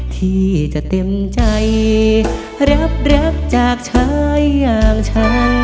ที่จะเต็มใจรับรักจากชายอย่างชา